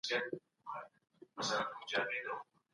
ناوړه هیلي نه لټول کېږي.